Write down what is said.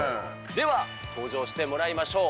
では登場してもらいましょう。